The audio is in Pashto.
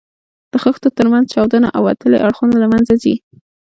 د خښتو تر منځ چاودونه او وتلي اړخونه له منځه ځي.